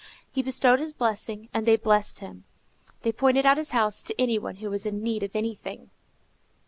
He bestowed his blessing, and they blessed him. They pointed out his house to any one who was in need of anything.